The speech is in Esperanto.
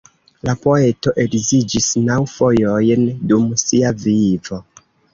La poeto edziĝis naŭ fojojn dum sia vivo.